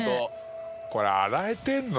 これ洗えてるの？